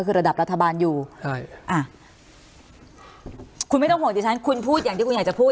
คือระดับรัฐบาลอยู่ใช่อ่ะคุณไม่ต้องห่วงดิฉันคุณพูดอย่างที่คุณอยากจะพูด